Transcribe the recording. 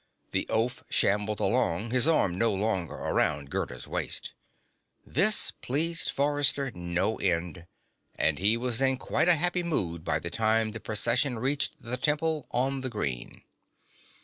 The oaf shambled along, his arm no longer around Gerda's waist. This pleased Forrester no end, and he was in quite a happy mood by the time the Procession reached the Temple on the Green.